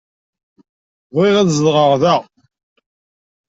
Bɣiɣ ad zedɣeɣ da.